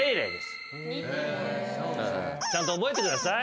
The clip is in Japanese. ちゃんと覚えてください。